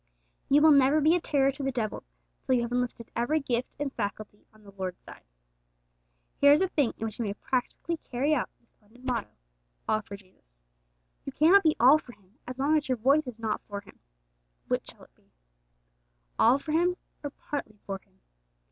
You will never be a terror to the devil till you have enlisted every gift and faculty on the Lord's side. Here is a thing in which you may practically carry out the splendid motto, 'All for Jesus.' You cannot be all for Him as long as your voice is not for Him. Which shall it be? All for Him, or partly for Him?